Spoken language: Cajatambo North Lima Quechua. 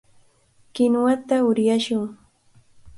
Kinuwata uryashun.